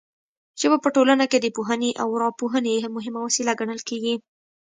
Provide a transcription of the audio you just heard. ژبه په ټولنه کې د پوهونې او راپوهونې مهمه وسیله ګڼل کیږي.